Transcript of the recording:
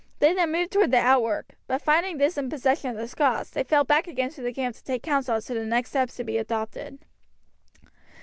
They then moved towards the outwork, but finding this in possession of the Scots, they fell back again to the camp to take council as to the next steps to be adopted.